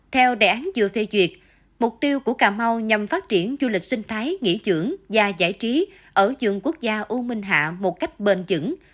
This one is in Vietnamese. theo đề án vừa phê duyệt mục tiêu của cà mau nhằm phát triển du lịch sinh thái nghỉ dưỡng và giải trí ở rừng quốc gia u minh hạ một cách bền dững